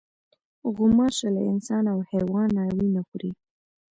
غوماشه له انسان او حیوانه وینه خوري.